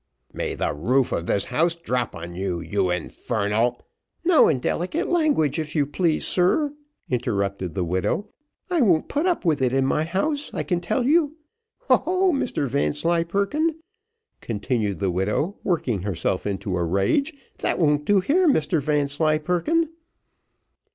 "May the roof of this house drop on you, you infernal ." "No indelicate language, if you please, sir," interrupted the widow, "I won't put up with it in my house, I can tell you ho, ho, Mr Vanslyperken," continued the widow, working herself into a rage, "that won't do here, Mr Vanslyperken."